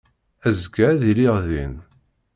Azekka ad iliɣ din.